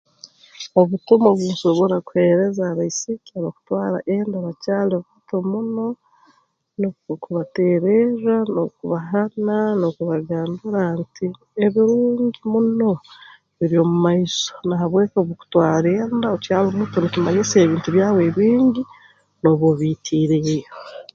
Obutumwa obu nsobora kuheereza abaisiki abakutwara enda bakyali buto muno nukwo kubateererra n'okubahana n'okubagambira nti ebirungi muno biri omu maiso na habw'eki obu okutwara enda okyali muto nikimanyisa ebintu byawe ebingi nooba ebiitireyo